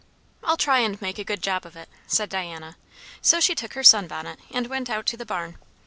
"I'll try and make a good job of it," said Diana. So she took her sun bonnet and went out to the barn.